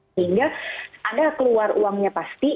sehingga anda keluar uangnya pasti